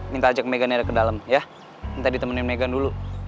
minta ajak meghani ada ke dalam ya minta ditemenin meghan dulu